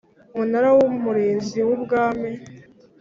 Umunara w’umurinzi w’ubwami